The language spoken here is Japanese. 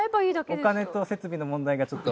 お金と設備の問題がちょっと。